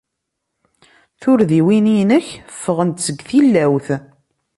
Turdiwin-inek ffɣent seg tilawt.